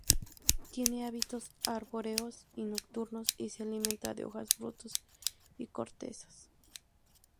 Tiene hábitos arbóreos y nocturnos, y se alimenta de hojas, frutos y cortezas.